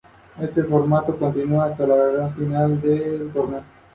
El otro nombre propio registrado en otras fuentes es Arthur.